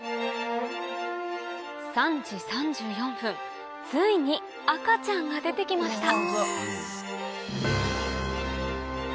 ３時３４分ついに赤ちゃんが出て来ました